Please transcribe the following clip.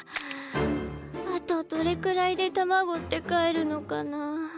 あとどれくらいで卵ってかえるのかな。